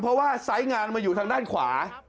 เพราะว่าไซส์งานมาอยู่ทางด้านขวา